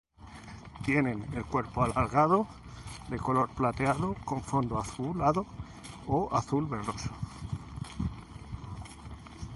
Tienen el cuerpo alargado, de color plateado con fondo azulado o azul-verdoso.